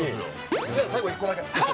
じゃあ最後一個だけ。